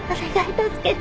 助けて。